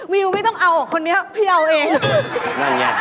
วิวไม่ต้องเอาคนนี้พี่เอาเอง